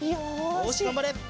よしがんばれ！